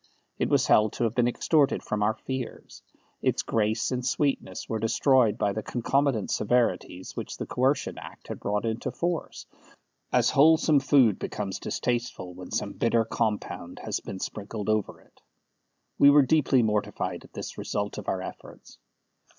It was held to have been extorted from our fears; its grace and sweetness were destroyed by the concomitant severities which the Coercion Act had brought into force, as wholesome food becomes distasteful when some bitter compound has been sprinkled over it. We were deeply mortified at this result of our efforts.